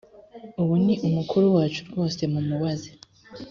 ubu ni umukuru wacu rwose mumubaze